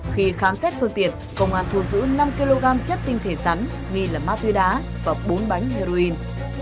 khi khám xét phương tiện công an thu giữ năm kg chất tinh thể rắn nghi là ma túy đá và bốn bánh heroin